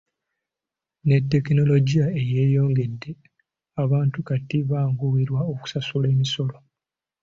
Ne tekinologiya eyeeyongedde, abantu kati banguyirwa okusasula emisolo.